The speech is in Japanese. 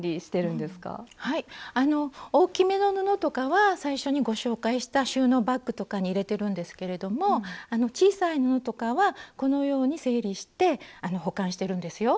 大きめの布とかは最初にご紹介した収納バッグとかに入れてるんですけれども小さい布とかはこのように整理して保管してるんですよ。